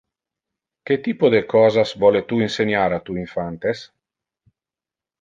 Que typo de cosas vole tu inseniar a tu infantes?